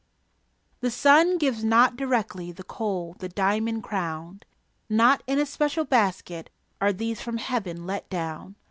The sun gives not directly The coal, the diamond crown; Not in a special basket Are these from Heaven let down.